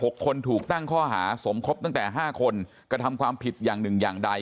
คนถูกตั้งข้อหาสมคบตั้งแต่ห้าคนกระทำความผิดอย่างหนึ่งอย่างใด